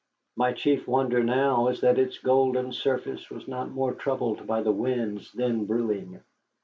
My chief wonder now is that its golden surface was not more troubled by the winds then brewing.